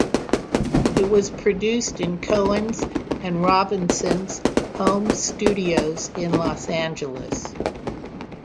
It was produced in Cohen's and Robinson's home studios in Los Angeles.